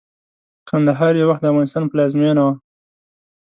کندهار يٶوخت دافغانستان پلازمينه وه